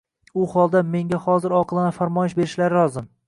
— u holda, mengá hozir oqilona farmoyish berishlari lozim.